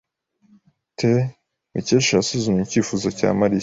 [T] Mukesha yasuzumye icyifuzo cya Mariya.